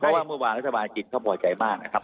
เพราะว่าเมื่อวานรัฐบาลจีนเขาพอใจมากนะครับ